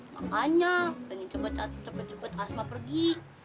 makanya pengen cepet cepet asma pergi